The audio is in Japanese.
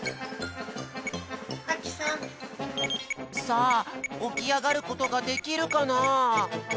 さあおきあがることができるかな？